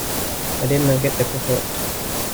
I did not get the purport.